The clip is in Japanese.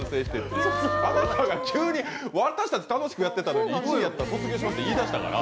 あなたが急に、私たち楽しくやってたのに、１位やったら卒業しますって言い出したから。